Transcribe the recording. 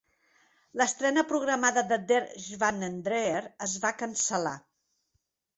L'estrena programada de "Der Schwanendreher" es va cancel·lar.